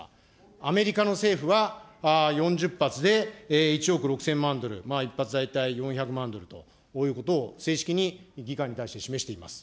アメリカの政府は４０発で１億６０００万ドル、１発大体、４００万ドルということを正式に議会に対して示しています。